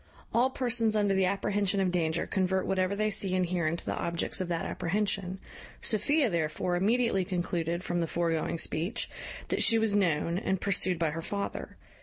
All persons under the apprehension of danger convert whatever they see and hear into the objects of that apprehension. Sophia therefore immediately concluded, from the foregoing speech, that she was known, and pursued by her father.